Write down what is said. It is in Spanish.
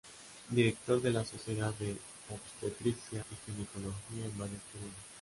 Director de la Sociedad de Obstetricia y Ginecología, en varios períodos.